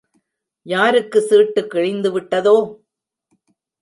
யாருக்கு சீட்டு கிழிந்துவிட்டதோ?